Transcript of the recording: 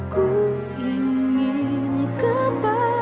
sekarang kamu coba